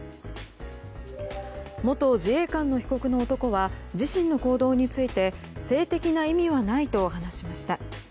元自衛官の被告の男は自身の行動について性的な意味はないと話しました。